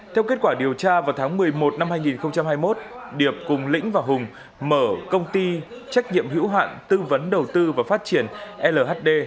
theo kết quả điều tra vào tháng một mươi một năm hai nghìn hai mươi một điệp cùng lĩnh và hùng mở công ty trách nhiệm hữu hạn tư vấn đầu tư và phát triển lhd